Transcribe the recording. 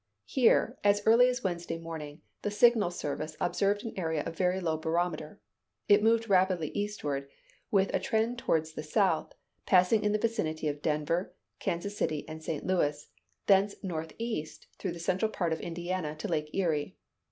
Here, as early as Wednesday morning, the Signal Service observed an area of very low barometer. It moved rapidly eastward, with a trend toward the south, passing in the vicinity of Denver, Kansas City, and St. Louis, thence northeast through the central part of Indiana to Lake Erie.